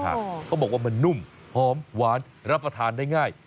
เขาบอกว่ามันนุ่มหอมหวานรับประทานได้ง่าย